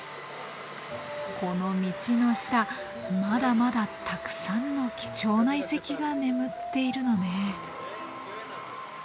この道の下まだまだたくさんの貴重な遺跡が眠っているのね。